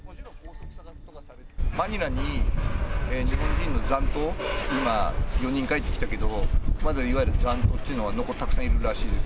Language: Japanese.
マニラに日本人の残党、今、４人帰ってきたけど、まだいわゆる残党というのがたくさんいるらしいんです。